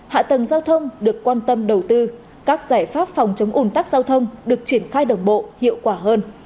hạ tầng giao thông được quan tâm đầu tư các giải pháp phòng chống ủn tắc giao thông được triển khai đồng bộ hiệu quả hơn